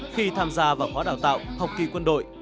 khi tham gia vào khóa đào tạo học kỳ quân đội